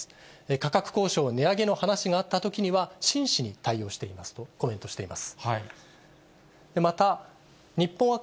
価格交渉、値上げの話があったときには、真摯に対応していますと、コメントしています。